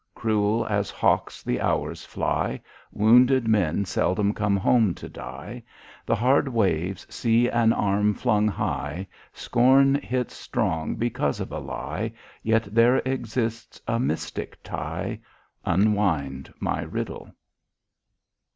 Cruel as hawks the hours fly; Wounded men seldom come home to die; The hard waves see an arm flung high; Scorn hits strong because of a lie; Yet there exists a mystic tie. Unwind my riddle.